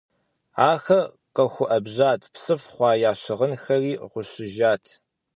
Ахэр къэхуэбэжат, псыф хъуа я щыгъынхэри гъущыжат.